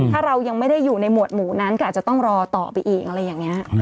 ถ้าเรายังไม่ได้อยู่ในหมวดหมู่นั้นก็อาจจะต้องรอต่อไปอีกอะไรอย่างนี้